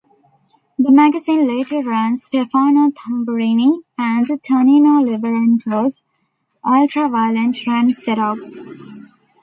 The magazine later ran Stefano Tamburini and Tanino Liberatore's ultra-violent "RanXerox".